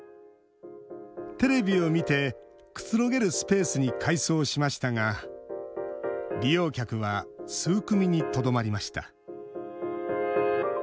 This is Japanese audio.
テレビを見てくつろげるスペースに改装しましたが利用客は数組にとどまりました。